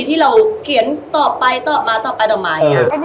กี่เราเกลียนดูต่อไปต่อมาต่อไปต่อมา